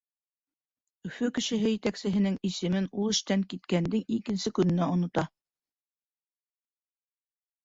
Өфө кешеһе етәксеһенең исемен ул эштән киткәндең икенсе көнөнә онота.